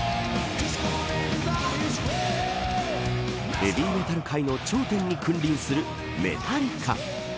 ヘヴィメタル界の頂点に君臨する、メタリカ。